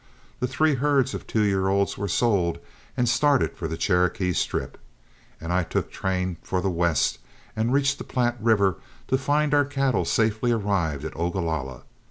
The three herds of two year olds were sold and started for the Cherokee Strip, and I took train for the west and reached the Platte River, to find our cattle safely arrived at Ogalalla.